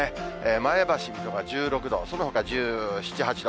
前橋、水戸が１６度、そのほか１７、８度。